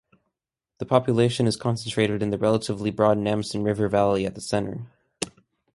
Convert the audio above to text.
The population is concentrated in the relatively broad Namsen river valley at the center.